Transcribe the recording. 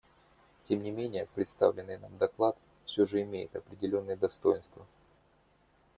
Тем не менее представленный нам доклад все же имеет определенные достоинства.